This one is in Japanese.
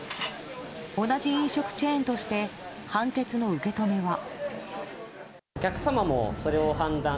同じ飲食チェーンとして判決の受け止めは。